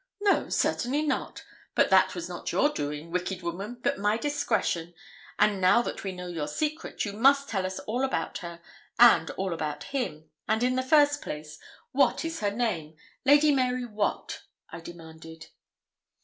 'No, certainly not; but that was not your doing, wicked woman, but my discretion. And now that we know your secret, you must tell us all about her, and all about him; and in the first place, what is her name Lady Mary what?' I demanded.